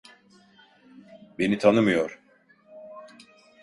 Beni tanımıyor.